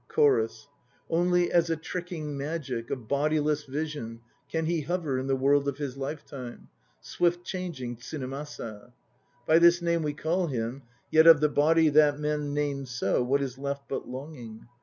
CHORUS. Only as a tricking magic, A bodiless vision, Can he hover in the world of his lifetime, Swift changing Tsunemasa. By this name we call him, yet of the body That men named so, what is left but longing?